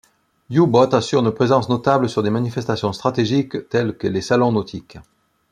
Youboat assure une présence notable sur des manifestations stratégiques tels que les salons nautiques.